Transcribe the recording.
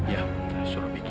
ya suruh pikir oke